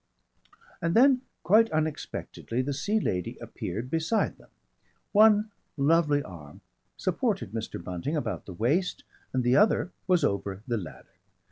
And then quite unexpectedly the Sea Lady appeared beside them. One lovely arm supported Mr. Bunting about the waist and the other was over the ladder.